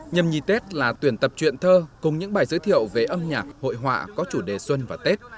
nhâm nhi tết là tuyển tập truyện thơ cùng những bài giới thiệu về âm nhạc hội họa có chủ đề xuân và tết